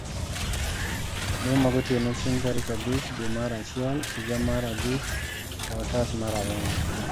lemo magotiene chieng' tarik abich dwe mar achiel higa mar abich eotas mar ariyo